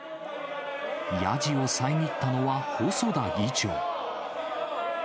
やじを遮ったのは細田議長。